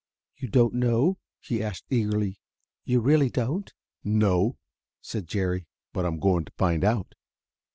"You don't know?" he asked eagerly. "You really don't?" "No," said Jerry; "but I'm going to find out."